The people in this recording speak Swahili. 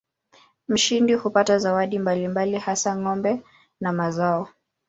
Mshindi hupata zawadi mbalimbali hasa ng'ombe na mazao.